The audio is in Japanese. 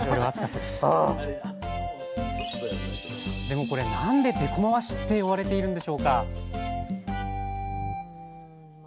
でもこれなんで「でこまわし」って呼ばれているんでしょうか？